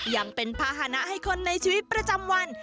ยังเป็นภาษณะให้คนในชีวิตประจำวัน